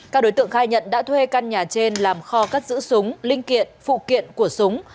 các đối tượng khai nhận đã thuê căn nhà trên làm kho cất giữ súng linh kiện phụ kiện của súng